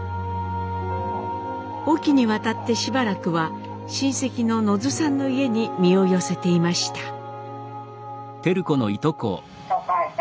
隠岐に渡ってしばらくは親戚の野津さんの家に身を寄せていました。